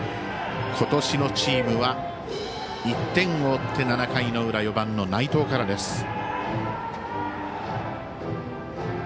今年のチームは１点を追って７回の裏、４番の内藤からです。